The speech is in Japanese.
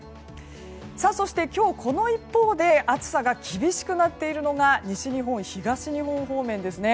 そして、この一方で今日暑さが厳しくなっているのが西日本、東日本方面ですね。